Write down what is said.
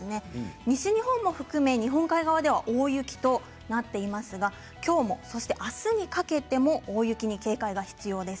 西日本も含め日本海側では大雪となっていますがきょうも、そしてあすにかけても大雪に警戒が必要です。